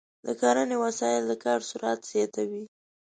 د کرنې وسایل د کار سرعت زیاتوي.